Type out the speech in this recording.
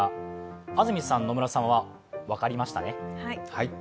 安住さん、野村さんは分かりましたね。